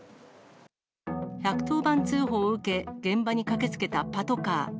１１０番通報を受け、現場に駆けつけたパトカー。